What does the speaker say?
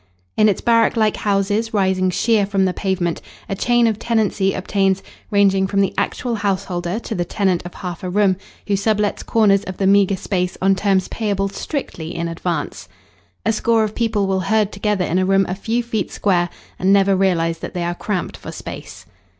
In its barrack like houses, rising sheer from the pavement, a chain of tenancy obtains, ranging from the actual householder to the tenant of half a room, who sublets corners of the meagre space on terms payable strictly in advance. A score of people will herd together in a room a few feet square, and never realise that they are cramped for space.